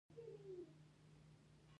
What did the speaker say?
پرون د احمد تخرګونه ښه لانده شول.